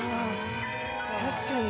確かに。